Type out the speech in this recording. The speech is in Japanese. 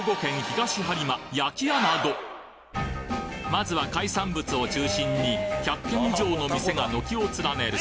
まずは海産物を中心に１００軒以上の店が軒を連ねる